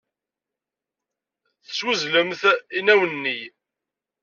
Teswezlemt inaw-nni.